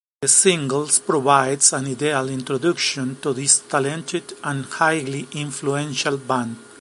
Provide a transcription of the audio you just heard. The Singles provides an ideal introduction to this talented and highly influential band.